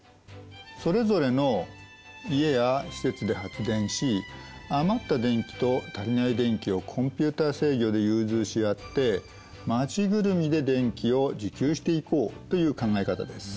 それぞれの家や施設で発電し余った電気と足りない電気をコンピューター制御で融通し合って町ぐるみで電気を自給していこうという考え方です。